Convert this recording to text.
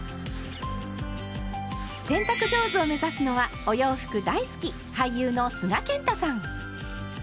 洗濯上手を目指すのはお洋服大好き俳優の須賀健太さん。